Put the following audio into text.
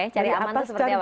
cari aman itu seperti apa